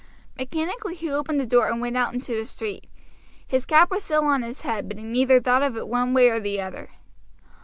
Mechanically he opened the door and went out into the street; his cap was still on his head, but he neither thought of it one way or the other.